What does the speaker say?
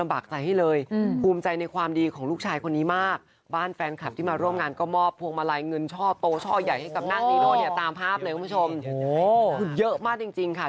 บากใจให้เลยภูมิใจในความดีของลูกชายคนนี้มากบ้านแฟนคลับที่มาร่วมงานก็มอบพวงมาลัยเงินช่อโตช่อใหญ่ให้กับนางนีโน่เนี่ยตามภาพเลยคุณผู้ชมคือเยอะมากจริงค่ะ